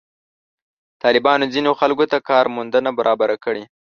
طالبانو ځینو خلکو ته کار موندنه برابره کړې.